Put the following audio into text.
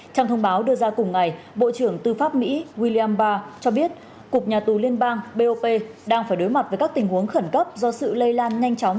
trong thông báo đưa ra cùng ngày bộ trưởng tư pháp mỹ william bar cho biết cục nhà tù liên bang bop đang phải đối mặt với các tình huống khẩn cấp do sự lây lan nhanh chóng